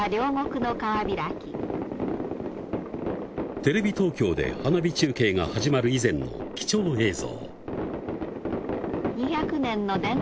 テレビ東京で花火中継が始まる以前の貴重映像。